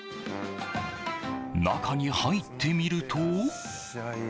中に入ってみると。